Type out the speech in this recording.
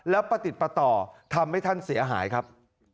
แล้วประติดประต่อทำให้ท่านเสียหายครับ